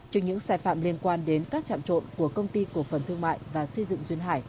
trên những xài phạm liên quan đến các trạm trộn của công ty của phần thương mại và xây dựng duyên hải